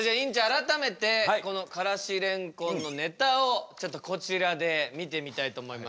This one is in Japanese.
改めてこのからし蓮根のネタをちょっとこちらで見てみたいと思います。